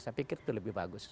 saya pikir itu lebih bagus